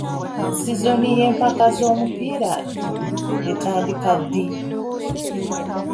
Sizoni y'empaka z'omupiira etandika ddi?